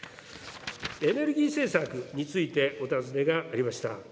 エネルギー政策についてお尋ねがありました。